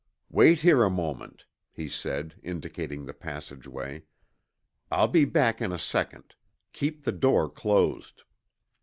"Wait here a moment," he said, indicating the passageway. "I'll be back in a second. Keep the door closed."